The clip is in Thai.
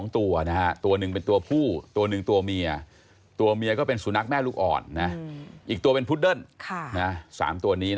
ตัวเมียก็เป็นสุนัขแม่ลูกอ่อนอีกตัวเป็นพุดเดิ้น๓ตัวนี้